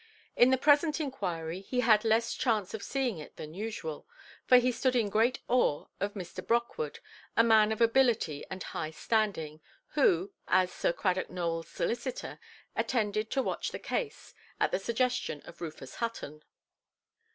In the present inquiry he had less chance of seeing it than usual, for he stood in great awe of Mr. Brockwood, a man of ability and high standing, who, as Sir Cradock Nowellʼs solicitor, attended to watch the case, at the suggestion of Rufus Hutton.